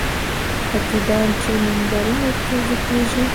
خطیبان چې منبرونو ته خېژي.